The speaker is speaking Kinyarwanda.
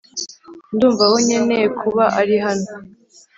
ndumva aho nkeneye kuba ari hano.